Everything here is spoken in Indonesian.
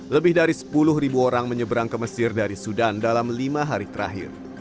lebih dari sepuluh orang menyeberang ke mesir dari sudan dalam lima hari terakhir